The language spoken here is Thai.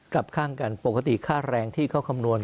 กลับข้างกันปกติค่าแรงที่เขาคำนวณ